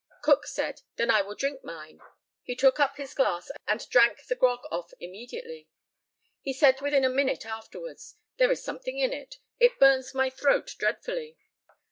Cook said, "Then I will drink mine." He took up his glass and drank the grog off immediately. He said within a minute afterwards, "There is something in it; it burns my throat dreadfully."